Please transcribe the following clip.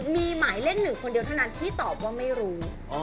มีหมายเลขหนึ่งคนเดียวเท่านั้นที่ตอบว่าไม่รู้